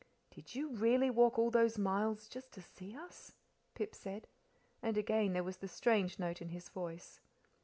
"Did you really walk all those miles just to see us?" Pip said, and again there was the strange note in his voice.